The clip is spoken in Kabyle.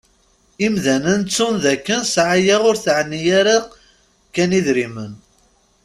Imdanen ttun d akken sɛaya ur teɛni ara kan idrimen.